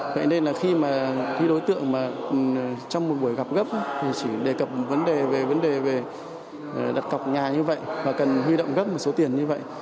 vậy nên là khi mà khi đối tượng mà trong một buổi gặp gấp thì chỉ đề cập vấn đề về vấn đề về đặt cọc nhà như vậy và cần huy động gấp một số tiền như vậy